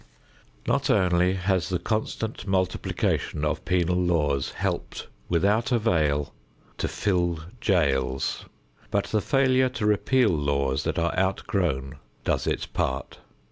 Not only has the constant multiplication of penal laws helped without avail to fill jails, but the failure to repeal laws that are outgrown does its part.